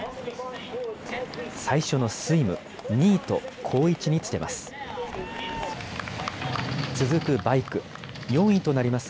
最初のスイム、２位と好位置につけます。